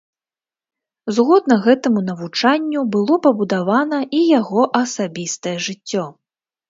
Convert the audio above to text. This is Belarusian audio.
Згодна гэтаму навучанню было пабудавана і яго асабістае жыццё.